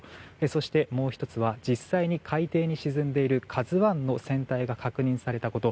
そして、もう１つは実際に海底に沈んでいる「ＫＡＺＵ１」の船体が確認されたこと。